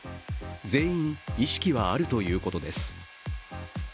全員、意識あるということです。